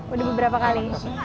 udah beberapa kali